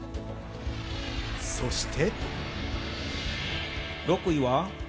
そして。